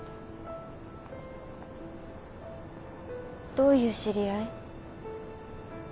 どういう知り合い？